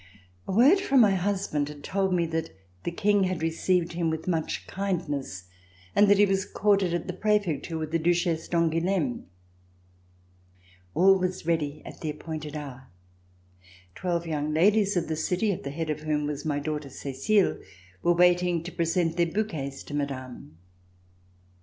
A word from my husband had told me that the King had received him with much kindness, and that he was quartered at the Prefecture with the Duchesse d'Angouleme. All was ready at the appointed hour. Twelve young ladies of the city, at the head of whom was my daughter Ceclle, were waiting to present their bouquets to Madame.